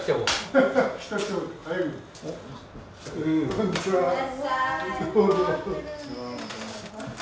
こんにちは。